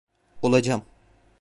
Olacağım.